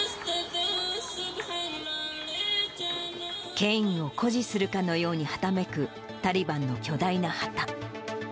権威を誇示するかのようにはためくタリバンの巨大な旗。